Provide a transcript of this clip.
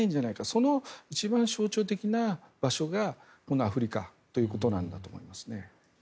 その一番象徴的な場所がこのアフリカということなんだと思うんですね。